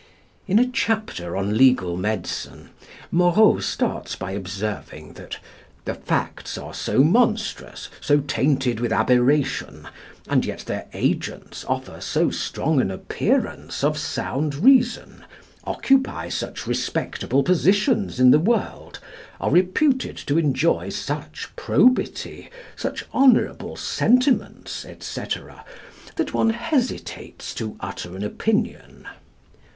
In a chapter on Legal Medicine, Moreau starts by observing that "The facts are so monstrous, so tainted with aberration, and yet their agents offer so strong an appearance of sound reason, occupy such respectable positions in the world, are reputed to enjoy such probity, such honourable sentiments, &c., that one hesitates to utter an opinion."